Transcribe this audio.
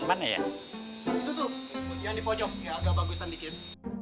itu tuh yang di pojok yang agak bagusan bikin